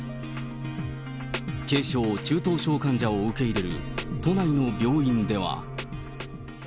軽症、中等症患者を受け入れる都内の病院では。